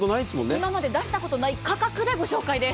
今まで出したことのない価格でご紹介です。